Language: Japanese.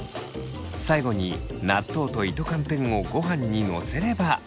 最後に納豆と糸寒天をごはんにのせれば。